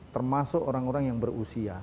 termasuk orang orang yang berusia